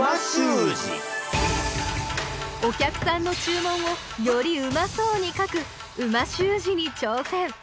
お客さんの注文をよりうまそうに書く美味しゅう字に挑戦！